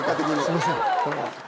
すいません。